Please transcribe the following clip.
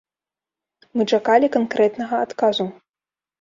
Мы чакалі канкрэтнага адказу.